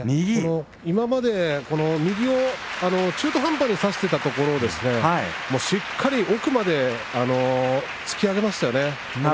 今まで右を中途半端に差していましたがしっかり奥まで突き上げましたね。